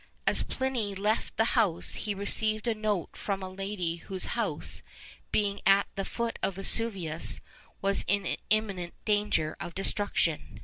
As Pliny left the house, he received a note from a lady whose house, being at the foot of Vesuvius, was in imminent danger of destruction.